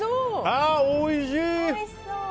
ああ、おいしい！